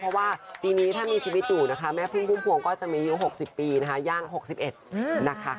เพราะว่าปีนี้ถ้ามีชีวิตอยู่นะคะแม่พึ่งพุ่มพวงก็จะมีอายุ๖๐ปีนะคะย่าง๖๑นะคะ